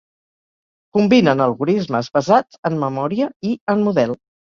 Combinen algorismes basats en memòria i en model.